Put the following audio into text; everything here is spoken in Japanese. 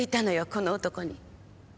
この男に。